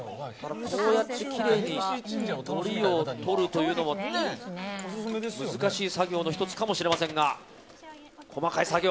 きれいにのりを取るというのは難しい作業の１つかもしれませんが細かい作業。